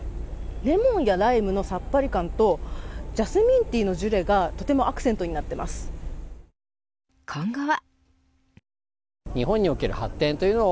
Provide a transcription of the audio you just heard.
レモンやライムのさっぱり感とジャスミンティーのジュレがとてもアクセントに今後は。